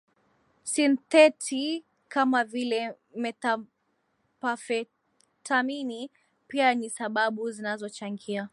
sintheti kama vile methamphetamini pia ni sababu zinazochangia